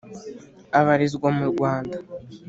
abarizwa mu Rwanda